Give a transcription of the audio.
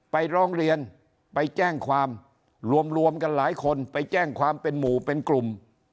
ไปร้องเรียนไปแจ้งความรวมกันหลายคนไปแจ้งความเป็นหมู่เป็นกลุ่ม